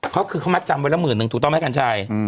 เขาคือเขามัดจำไว้ละหมื่นหนึ่งถูกต้องไหมกัญชัย